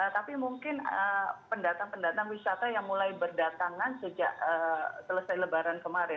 tapi mungkin pendatang pendatang wisata yang mulai berdatangan sejak selesai lebaran kemarin